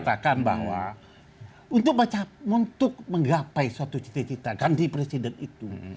saya katakan bahwa untuk menggapai suatu cita cita ganti presiden itu